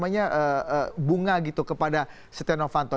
mengirim ucapan bunga gitu kepada setia novanto